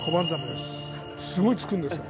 すごいつくんですよ。